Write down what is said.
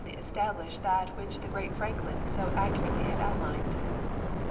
}^ establish that which the great Franklin so accurately had outlined.